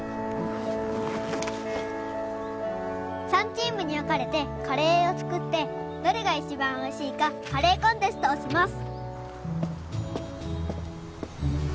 ３チームに分かれてカレーを作ってどれが一番おいしいかカレーコンテストをします